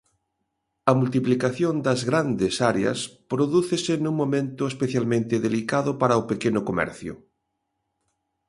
A multiplicación das grandes áreas prodúcese nun momento especialmente delicado para o pequeno comercio.